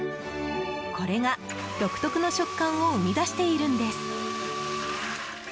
これが、独特の食感を生み出しているんです。